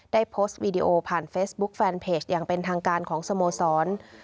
ได้โพสต์วีดีโอผ่านเฟซบุ๊คแฟนเพจอย่างเป็นทางการของสโมสร